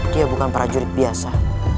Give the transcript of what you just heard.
dia bukan prajurit biasa